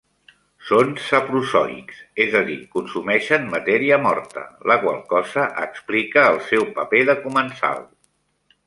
Són saprozoïcs, és a dir, consumeixen matèria morta, la qual cosa explica el seu paper de comensal.